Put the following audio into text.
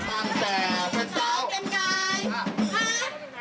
ตั้งแต่เมื่อเช้าน้องเต็มกาย